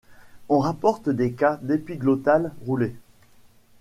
On rapporte des cas d'épiglottale roulée.